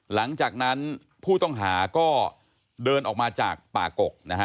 หลังจากนั้นผู้ต้องหาก็เดินออกมาจากป่ากกนะฮะ